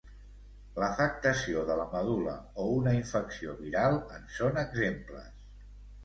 L'afectació de la medul·la o una infecció viral en són exemples.